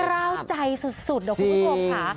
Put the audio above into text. กล้าวใจสุดนะคุณผู้ชมค่ะ